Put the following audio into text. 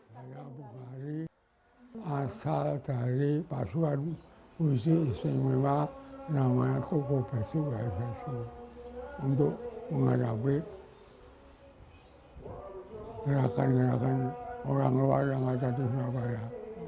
pada bukari asal dari pasukan usia isimewa namanya tukul bersih bersih untuk menghadapi gerakan gerakan orang luar yang ada di surabaya